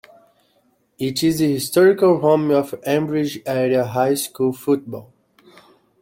It is the historical home of Ambridge Area High School football.